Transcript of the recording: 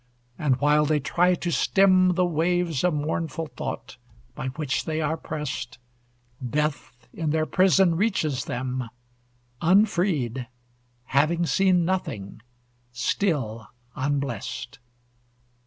And while they try to stem The waves of mournful thought by which they are prest, Death in their prison reaches them, Unfreed, having seen nothing, still unblest.